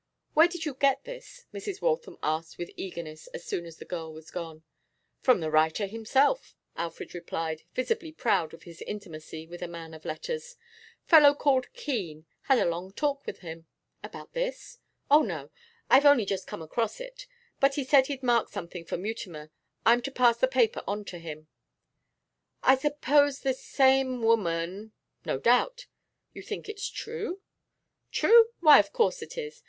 'Where did you get this?' Mrs. Waltham asked with eagerness as soon as the girl was gone. 'From the writer himself,' Alfred replied, visibly proud of his intimacy with a man of letters. 'Fellow called Keene. Had a long talk with him.' 'About this?' 'Oh, no. I've only just come across it. But he said he'd marked something for Mutimer. I'm to pass the paper on to him.' 'I suppose this is the same woman ?' 'No doubt.' 'You think it's true?' 'True? Why, of course it is.